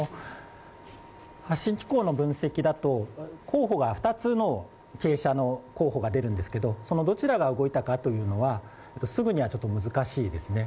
発震機構の分析だと、２つの傾斜の候補が出るんですけど、そのどちらが動いたかというのはすぐには難しいですね。